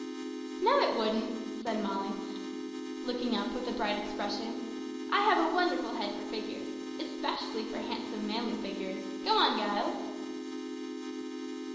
"No, it wouldn't," said Molly, looking up with a bright expression; "I have a wonderful head for figures especially for handsome manly figures! Go on, Giles."